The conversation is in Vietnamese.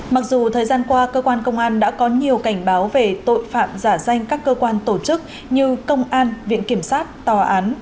mặc dù thời gian qua cơ quan công an đã có nhiều cảnh báo về tội phạm giả danh các cơ quan tổ chức như công an viện kiểm sát tòa án